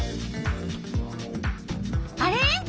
あれ？